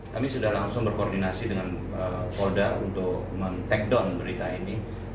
kami sudah langsung berkoordinasi dengan polda untuk men take down berita ini